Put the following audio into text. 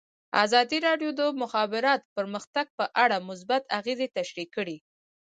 ازادي راډیو د د مخابراتو پرمختګ په اړه مثبت اغېزې تشریح کړي.